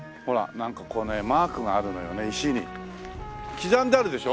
刻んであるでしょ？